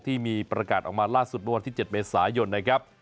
ที่มีประกาศออกมาล่าสุดวันที่๗เมตรสาย่นนะครับ